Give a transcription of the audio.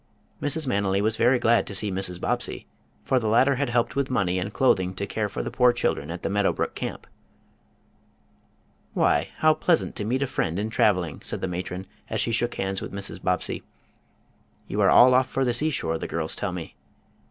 Mrs. Manily was very glad to see Mrs. Bobbsey, for the latter had helped with money and clothing to care for the poor children at the Meadow Brook Camp. "Why, how pleasant to meet a friend in traveling!" said the matron as she shook hands with Mrs. Bobbsey. "You are all off for the seashore, the girls tell me."